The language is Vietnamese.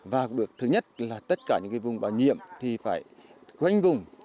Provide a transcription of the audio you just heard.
và thứ nhất là tất cả những vùng bảo nhiệm thì phải quanh vùng